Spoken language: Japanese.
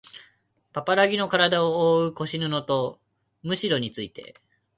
パパラギのからだをおおう腰布とむしろについて